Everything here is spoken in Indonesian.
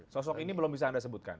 sosok ini belum bisa anda sebutkan